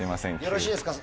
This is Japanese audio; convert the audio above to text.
よろしいですか？